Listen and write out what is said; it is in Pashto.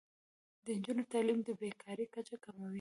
د نجونو تعلیم د بې کارۍ کچه کموي.